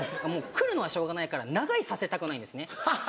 来るのはしょうがないから長居させたくないんですね。